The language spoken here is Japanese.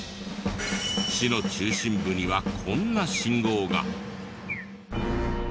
市の中心部にはこんな信号が。